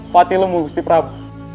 patilung gusti prabu